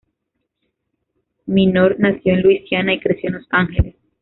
Minor nació en Luisiana y creció en Los Ángeles.